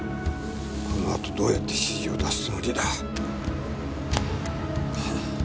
このあとどうやって指示を出すつもりだ？